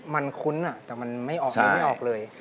มันคุ้นอะแต่มันไม่ออกเลย